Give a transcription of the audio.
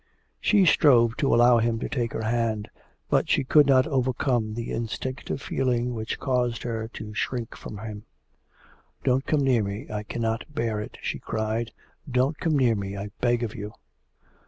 She strove to allow him to take her hand, but she could not overcome the instinctive feeling which caused her to shrink from him. 'Don't come near me I cannot bear it!' she cried; 'don't come near me, I beg of you.'